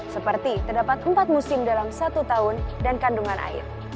seperti terdapat empat musim dalam satu tahun dan kandungan air